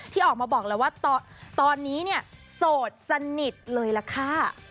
ที่ออกมาบอกแล้วว่าตอนนี้เนี่ยโสดสนิทเลยล่ะค่ะ